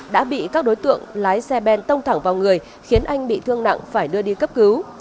đã bị các đối tượng lái xe ben tông thẳng vào người khiến anh bị thương nặng phải đưa đi cấp cứu